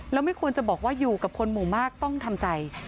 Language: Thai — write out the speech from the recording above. แล้วไม่ควรจะบอกว่าอยู่กับคนหมู่มากต้องทำใจ